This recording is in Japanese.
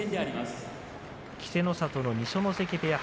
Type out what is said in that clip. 稀勢の里の二所ノ関部屋